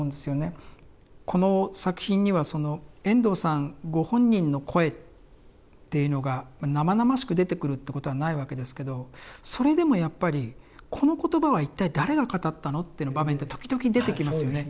この作品には遠藤さんご本人の声っていうのが生々しく出てくるっていうことはないわけですけどそれでもやっぱり「この言葉は一体誰が語ったの？」っていう場面って時々出てきますよね。